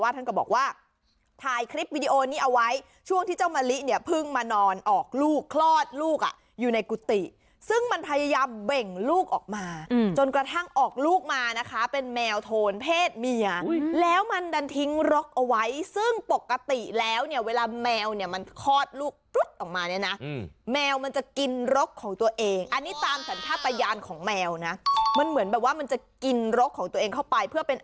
ตอนออกลูกคลอดลูกอยู่ในกุฏติซึ่งมันพยายามเบ่งลูกออกมาจนกระทั่งออกลูกมานะคะเป็นแมวโทนเพศเมียแล้วมันดันทิ้งรกเอาไว้ซึ่งปกติแล้วเนี่ยเวลาแมวเนี่ยมันคลอดลูกปุ๊บออกมาเนี่ยนะแมวมันจะกินรกของตัวเองอันนี้ตามสัญชาติประยานของแมวนะมันเหมือนแบบว่ามันจะกินรกของตัวเองเข้าไปเพื่อเป